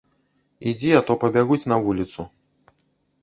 Ідзі, а то пабягуць на вуліцу.